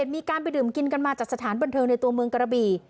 มีการไปดื่มกินกันมาจากสถานบันเทิงในตัวเมืองกระบี่